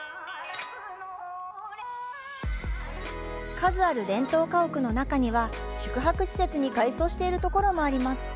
数ある伝統家屋の中には、宿泊施設に改装しているところもあります。